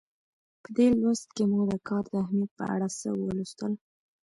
په دې لوست کې مو د کار د اهمیت په اړه څه ولوستل.